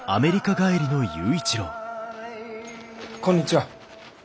こんにちは。